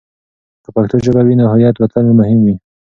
که پښتو ژبه وي، نو هویت به تل مهم وي.